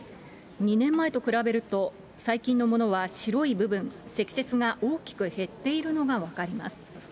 ２年前と比べると、最近のものは白い部分、積雪が大きく減っているのが分かります。